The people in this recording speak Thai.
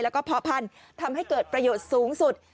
แล้วก็เพาะพันธุ์ทำให้เกิดประโยชน์สูงสุด